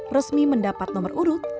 resmi mendapat nomor urut